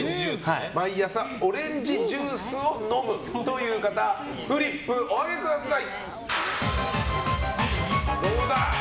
毎朝オレンジジュースを飲む方フリップお上げください！